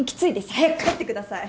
早く帰ってください。